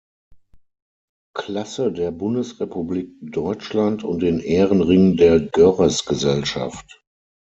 Klasse der Bundesrepublik Deutschland und den Ehrenring der Görres-Gesellschaft.